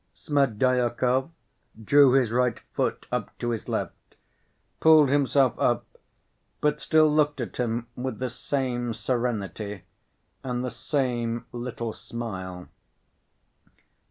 Smerdyakov drew his right foot up to his left, pulled himself up, but still looked at him with the same serenity and the same little smile.